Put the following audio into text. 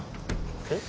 えっ？